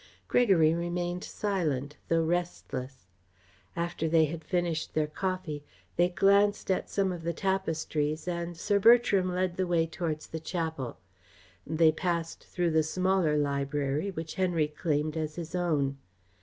Gregory remained silent though restless. After they had finished their coffee, they glanced at some of the tapestries and Sir Bertram led the way towards the chapel. They passed through the smaller library which Henry claimed as his own.